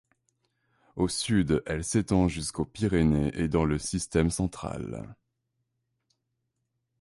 Au sud, elle s'étend jusqu'aux Pyrénées et dans le Système central.